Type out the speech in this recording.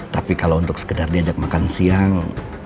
tapi kalau untuk sekedar diajak makan siang